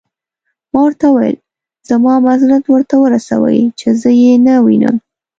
ما ورته وویل: زما معذرت ورته ورسوئ، چې زه يې نه وینم.